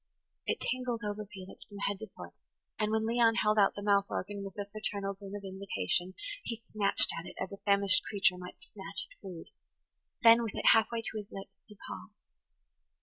It tingled over Felix from head to foot; and, when Leon held out the mouth organ with a fraternal grin of invitation, he snatched at it as a famished creature might snatch at food. Then, with it half way to his lips, he paused.